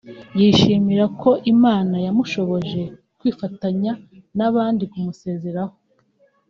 yishimira ko Imana yamushoboje kwifatanya n’abandi kumusezeraho